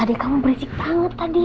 adik kamu berisik banget tadi